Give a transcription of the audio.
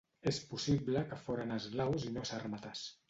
És possible que foren eslaus i no sàrmates.